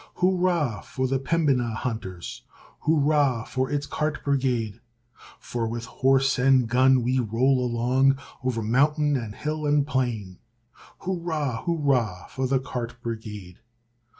Hurrah for the Pembinah hunters! Hurrah for its cart brigade! For with horse and gun we roll along O'er mountain and hill and plain. Hurrah, hurrah for the cart brigade!